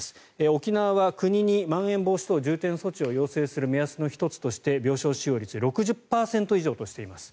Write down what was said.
沖縄は国にまん延防止等重点措置を要請する目安の１つとして病床使用率６０％以上としています。